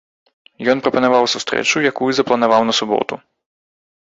Ён прапанаваў сустрэчу, якую запланаваў на суботу.